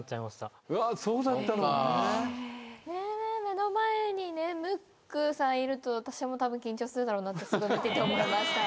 目の前にねムックさんいると私もたぶん緊張するだろうなってすごい見てて思いました。